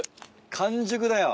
完熟だよ。